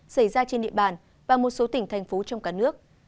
xảy ra trên địa bàn và một số tỉnh thành phố trong cả nước